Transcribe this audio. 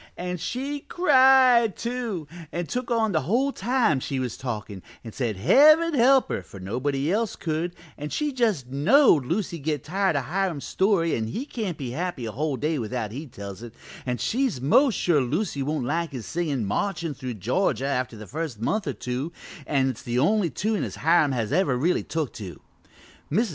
And she cried, too, and took on the whole time she was talkin' an' said Heaven help her, for nobody else could, an' she just knowed Lucy'd get tired o' Hiram's story an' he can't be happy a whole day without he tells it, an' she's most sure Lucy won't like his singin' 'Marchin' Through Georgia' after the first month or two, an' it's the only tune as Hiram has ever really took to. Mrs.